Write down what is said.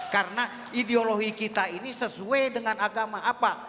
karena ideologi kita ini sesuai dengan agama apa